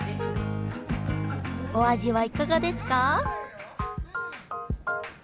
お味はいかがですか？